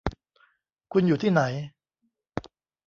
คุณอยู่ที่ไหน ?